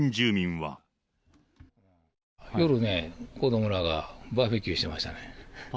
夜ね、子どもらがバーベキューしてましたね。